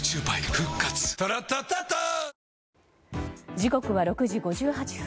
時刻は６時５８分。